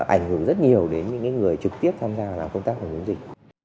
ảnh hưởng rất nhiều đến những người trực tiếp làm công tác chống dịch